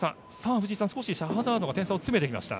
藤井さん、少しシャハザードが点差を詰めてきました。